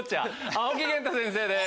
青木源太先生です。